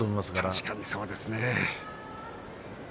確かにそうですね。